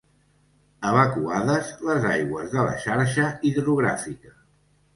Evacuades, les aigües, de la xarxa hidrogràfica.